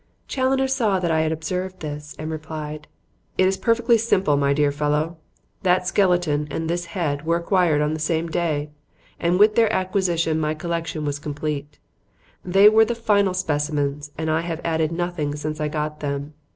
Challoner saw that I had observed this and replied: "It is perfectly simple, my dear fellow. That skeleton and this head were acquired on the same day, and with their acquirement my collection was complete. They were the final specimens and I have added nothing since I got them.